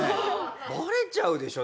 バレちゃうでしょ？